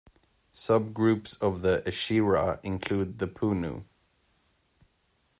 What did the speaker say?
Subgroups of the Eshira include the Punu.